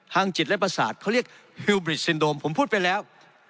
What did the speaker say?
จิตและประสาทเขาเรียกฮิวบริดซินโดมผมพูดไปแล้ว